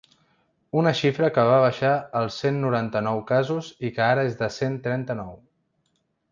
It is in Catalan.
Una xifra que va baixar als cent noranta-nou casos i que ara és de cent trenta-nou.